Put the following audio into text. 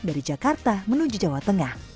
dari jakarta menuju jawa tengah